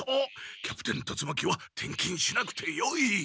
キャプテン達魔鬼は転勤しなくてよい。